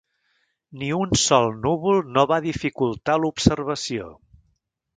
Ni un sol núvol no va dificultar l'observació.